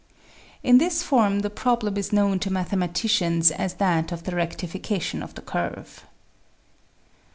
In this form the problem is known to mathematicians as that of the rectification of the curve.